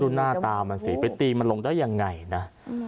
หน้าตามันสิไปตีมันลงได้ยังไงนะ